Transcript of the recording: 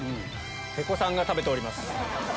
瀬古さんが食べております。